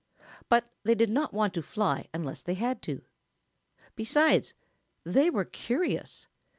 But they did not want to fly unless they had to. Besides, they were curious.